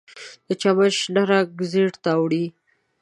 د چمن شنه رنګ ژیړ ته اړوي